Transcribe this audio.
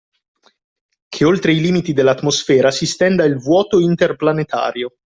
Che oltre i limiti dell’atmosfera si stenda il vuoto interplanetario